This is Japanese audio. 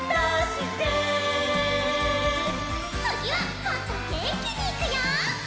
つぎはもっとげんきにいくよ！